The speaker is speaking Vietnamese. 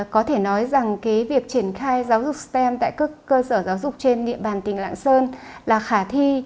có thể nói rằng việc triển khai giáo dục stem tại các cơ sở giáo dục trên địa bàn tỉnh lạng sơn là khả thi